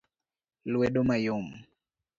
lwedo mayom